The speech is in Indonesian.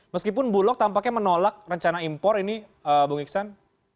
meskipun bulog tampaknya menolak rencana impor ini bung iksan